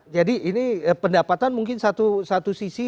jadi ini pendapatan mungkin satu sisi